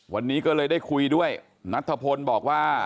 วันนี้ก็เลยได้คุยด้วยนัทธพลบอกว่า